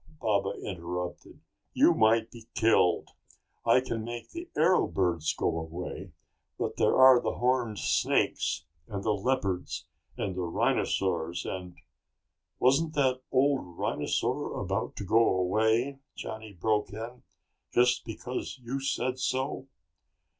Baba interrupted. "You might be killed. I can make the arrow birds go away, but there are the horned snakes and the leopards and rhinosaurs and...." "Wasn't that old rhinosaur about to go away?" Johnny broke in. "Just because you said so?"